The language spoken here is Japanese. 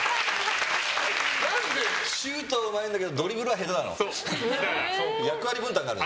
シュートはうまいんだけどドリブルは、へたなの。